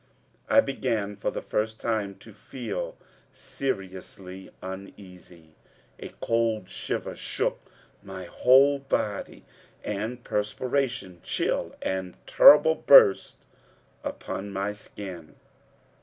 I began for the first time to feel seriously uneasy. A cold shiver shook my whole body, and perspiration, chill and terrible, burst upon my skin.